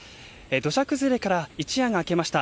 土砂崩れから一夜が明けました。